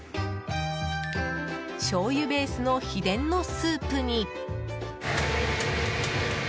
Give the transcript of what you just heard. しょうゆベースの秘伝のスープに。